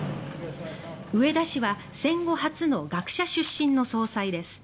植田氏は戦後初の学者出身の総裁です。